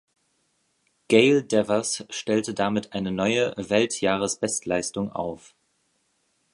Gail Devers stellte damit eine neue Weltjahresbestleistung auf.